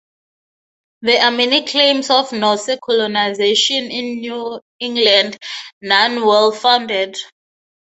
There are many claims of Norse colonization in New England, none well-founded.